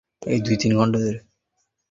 সবাই চোখ বন্ধ করো।